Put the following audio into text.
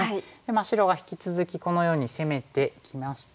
白が引き続きこのように攻めてきましても。